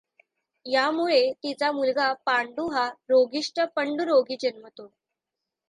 यामुळे तिचा मुलगा पांडु हा रोगीष्ट पंडुरोगी जन्मतो.